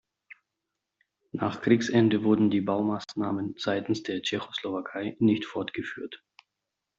Nach Kriegsende wurden die Baumaßnahmen seitens der Tschechoslowakei nicht fortgeführt.